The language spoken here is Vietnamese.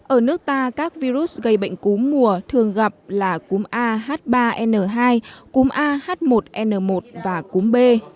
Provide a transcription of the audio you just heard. ở nước ta các virus gây bệnh cúm mùa thường gặp là cúm a h ba n hai cúm a h một n một và cúm b